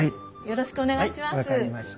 よろしくお願いします。